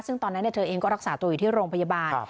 ซึ่งตอนนั้นเธอเองก็รักษาตัวอยู่ที่โรงพยาบาล